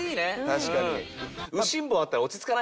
確かに。